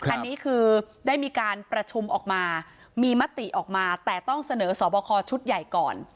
อันนี้คือได้มีการประชุมออกมามีมติออกมาแต่ต้องเสนอสอบคอชุดใหญ่ก่อน